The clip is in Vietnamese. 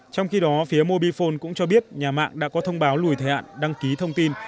trong khi đó phía mobifone cũng cho biết nhà mạng đã có thông báo lùi thời hạn đăng ký thông tin